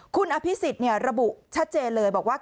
คุณอภิษฎระบุชัดเจนเลยบอกว่า